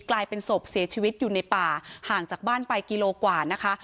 กลายเป็นศพเสียชีวิตอยู่ในป่าห่างจากบ้านไปกิโลกว่านะคะ